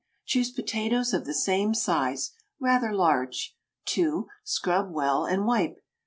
Choose potatoes of the same size rather large. 2. Scrub well, and wipe.